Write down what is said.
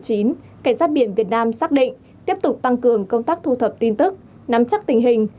cảnh sát biển việt nam xác định tiếp tục tăng cường công tác thu thập tin tức nắm chắc tình hình